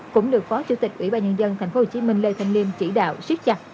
cũng được phó chủ tịch ủy ba nhân dân tp hcm lê thành liêm chỉ đạo siết chặt